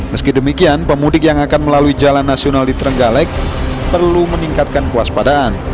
meski demikian pemudik yang akan melalui jalan nasional di trenggalek perlu meningkatkan kewaspadaan